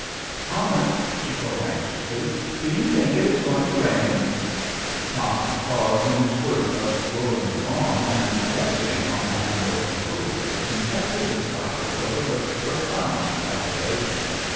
" Thomas," she called, anxious I I^i A RAIKY DAV. ly, '' do you think it is going to rain ?" Thomas paused in his work of rolling the lawn, and resting on the handle of the roller inspected the sky with a look of profound calculation.